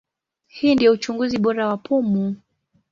Hii ndio uchunguzi bora wa pumu.